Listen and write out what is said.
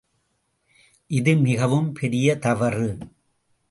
இது மிகவும் பெரிய தவறு.